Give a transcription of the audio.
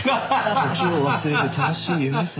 時を忘れる楽しい夢さ。